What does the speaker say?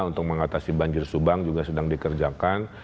untuk mengatasi banjir subang juga sedang dikerjakan